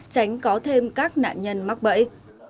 tránh có thêm các nạn nhân mắc bẫy